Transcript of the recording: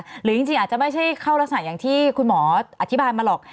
หรือจริงอาจจะไม่ใช่เข้ารักษณะอย่างที่คุณหมออธิบายมาหรอก